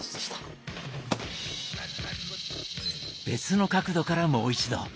別の角度からもう一度。